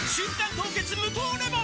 凍結無糖レモン」